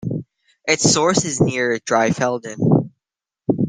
Its source is near Dreifelden.